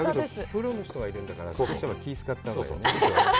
プロの人がいるんだから、気を使ったほうがいいよね。